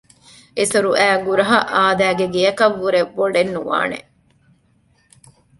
އެސޮރުއައި ގުރަހަ އާދައިގެ ގެއަކަށްވުރެ ބޮޑެއް ނުވާނެ